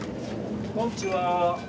こんにちは。